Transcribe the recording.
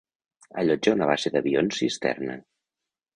Allotja una base d'avions cisterna.